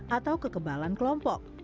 atau kekebalan kelompok